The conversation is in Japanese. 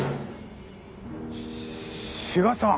志賀さん！